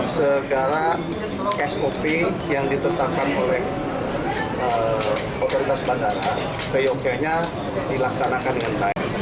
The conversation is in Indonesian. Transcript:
segala sop yang ditetapkan oleh otoritas bandara seyokenya dilaksanakan dengan baik